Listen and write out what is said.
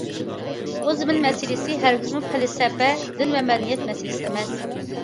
بۇ زېمىن مەسىلىسى، ھەرگىزمۇ پەلسەپە، دىن ۋە مەدەنىيەت مەسىلىسى ئەمەس.